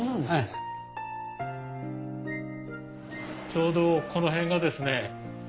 ちょうどこの辺がですね